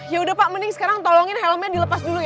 yaudah pak mending sekarang tolongin helmnya dilepas dulu ya